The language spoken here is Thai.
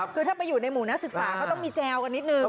คือถ้าไปอยู่ในหมู่นักศึกษาเขาต้องมีแจวกันนิดนึง